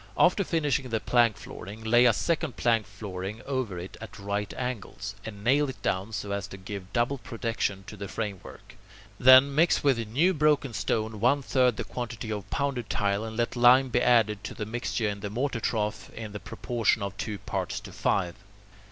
After finishing the plank flooring, lay a second plank flooring over it at right angles, and nail it down so as to give double protection to the framework. Then, mix with new broken stone one third the quantity of pounded tile, and let lime be added to the mixture in the mortar trough in the proportion of two parts to five.